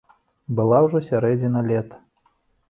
Была ўжо сярэдзіна лета.